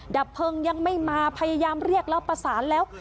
ดับเพลิงยังไม่มาพยายามเรียกแล้วประสานแล้ว